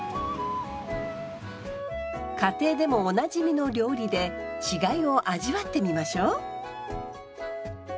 家庭でもおなじみの料理で違いを味わってみましょう。